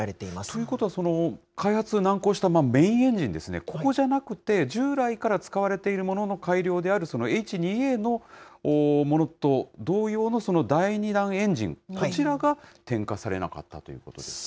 ということは、開発が難航したメインエンジンですね、ここじゃなくて、従来から使われているものの改良であるそのＨ２Ａのものと同様の、第２段エンジン、こちらが点火されなかったということですね。